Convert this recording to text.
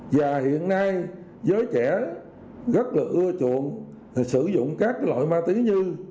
và hiện nay giới trẻ rất là ưa chuộng sử dụng các loại ma túy như